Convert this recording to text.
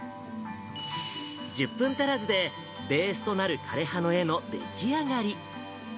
１０分足らずで、ベースとなる枯れ葉の絵の出来上がり。